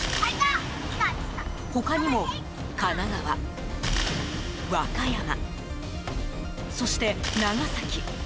他にも神奈川、和歌山、そして長崎。